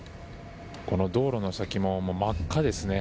この道路の先も真っ赤ですね。